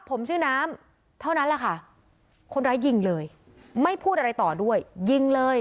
ผมชื่อน้ำเท่านั้นแหละค่ะคนร้ายยิงเลยไม่พูดอะไรต่อด้วยยิงเลย